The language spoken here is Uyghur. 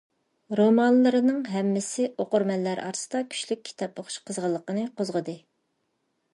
رومانلىرىنىڭ ھەممىسى ئوقۇرمەنلەر ئارىسىدا كۈچلۈك كىتاب ئوقۇش قىزغىنلىقىنى قوزغىدى.